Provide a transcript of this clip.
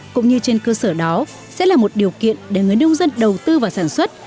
cũng như trên cơ sở đó sẽ là một điều kiện để người nông dân đầu tư vào sản xuất